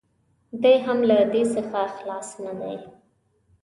دی هم له دې څخه خلاص نه دی.